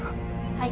はい。